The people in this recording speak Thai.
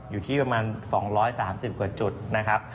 อยู่ที่ประมาณ๒๓๐กว่าจุดนะครับ